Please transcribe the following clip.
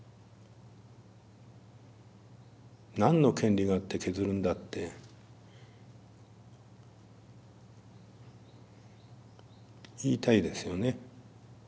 何の権利があって削るんだって言いたいですよね。